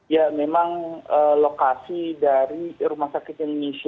ya memang lokasi dari rumah sakit indonesia